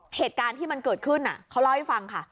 เหตุการณ์ที่มันเกิดขึ้นเขาเล่าให้ฟังค่ะ